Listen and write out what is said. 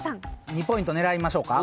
２ポイント狙いましょうか。